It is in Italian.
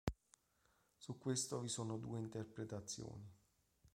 Su questo vi sono due interpretazioni.